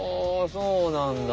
そうなんだ。